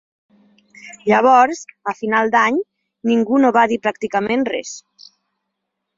Llavors –a final d’any– ningú no va dir pràcticament res.